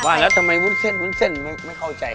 หวานแล้วทำไมรุ้นเส้นไม่เข้าใจ